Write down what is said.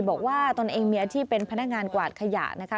บอกว่าตอนเองเมียที่เป็นพนักงานกวาดขยะนะคะ